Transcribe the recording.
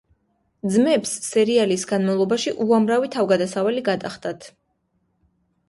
ძმებს სერიალის განმავლობაში უამრავი თავგადასავალი გადახდათ.